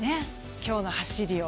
今日の走りを。